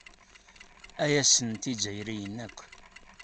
Aya ssnen-t Yizzayriyen akk.